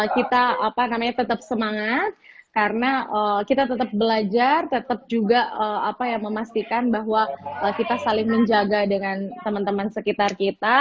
kita tetap semangat karena kita tetap belajar tetap juga memastikan bahwa kita saling menjaga dengan teman teman sekitar kita